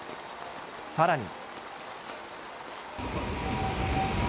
さらに。